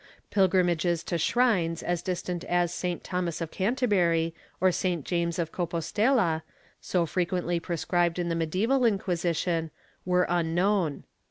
Pilgrimages to shrines as distant as St. Thomas of Canterbury or St. James of Compostela, so frequently prescribed in the medieval Inquisition, were un known.